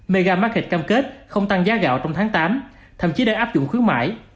mega market cam kết không tăng giá gạo trong tháng tám thậm chí đã áp dụng khuyến mại